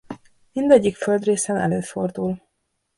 Mindegyik földrészen előfordul.